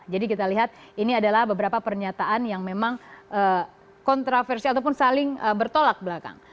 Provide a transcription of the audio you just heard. jadi kita lihat ini adalah beberapa pernyataan yang memang kontroversi ataupun saling bertolak belakang